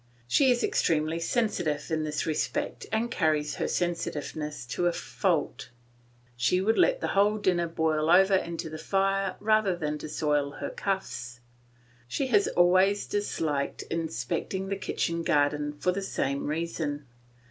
She is extremely sensitive in this respect and carries her sensitiveness to a fault; she would let the whole dinner boil over into the fire rather than soil her cuffs. She has always disliked inspecting the kitchen garden for the same reason.